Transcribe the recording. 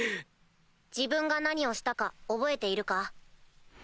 自分が何をしたか覚えているか？